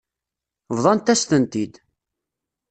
Bḍant-as-tent-id.